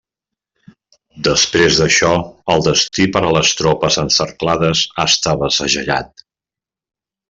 Després d'això, el destí per a les tropes encerclades estava segellat.